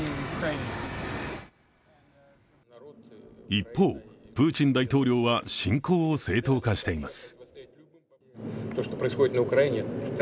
一方、プーチン大統領は侵攻を正当化しています。